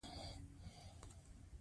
د کوکنارو کښت اوبه ضایع کوي.